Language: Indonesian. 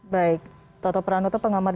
baik toto pranoto pengamat